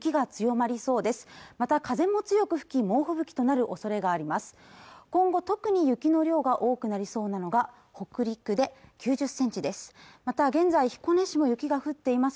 また風も強く吹き猛吹雪となるおそれがあります